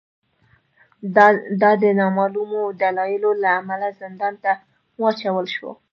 دای د نامعلومو دلایلو له امله زندان ته واچول شو.